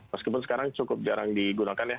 meskipun sekarang cukup jarang digunakan ya